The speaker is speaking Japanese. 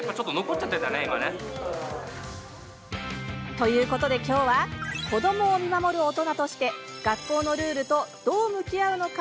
ということで、きょうは子どもを見守る大人として学校のルールとどう向き合うのか。